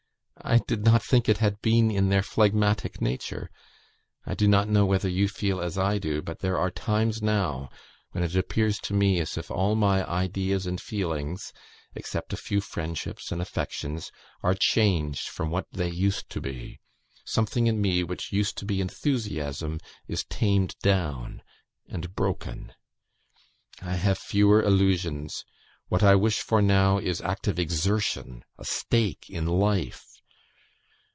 I did not think it had been in their phlegmatic nature ... I do not know whether you feel as I do, but there are times now when it appears to me as if all my ideas and feelings, except a few friendships and affections, are changed from what they used to be; something in me, which used to be enthusiasm, is tamed down and broken. I have fewer illusions; what I wish for now is active exertion a stake in life.